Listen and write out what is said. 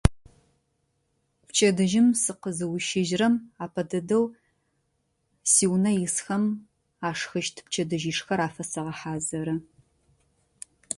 Пчэдыжьым сыкъызыущыжьырэм апэ дэдэу сиунэ исхэм ащхыщт пчэдыжьыщхэр афэсэгъэхьэзыры.